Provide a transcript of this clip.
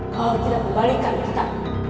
kau tidak kembalikan kita